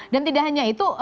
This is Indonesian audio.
dan tidak hanya itu